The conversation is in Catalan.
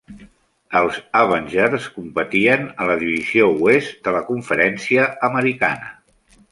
Els Avengers competien a la Divisió Oest de la Conferència Americana.